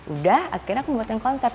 udah akhirnya aku membuatkan konsep